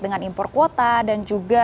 dengan impor kuota dan juga